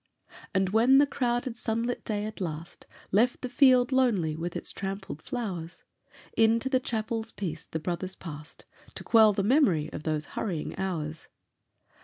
And when the crowded, sunlit day at last Left the field lonely with its trampled flowers, Into the chapel's peace the brothers passed To quell the memory of those hurrying hours.